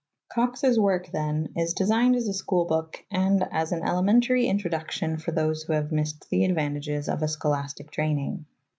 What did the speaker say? Cox's work, then, is designed as a schoolbook and as an ele mentary introduction for those who have missed the advantages of a scholastic training.